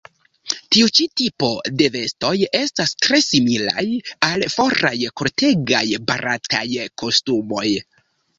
Tiu ĉi tipo de vestoj estas tre similaj al foraj kortegaj barataj kostumoj.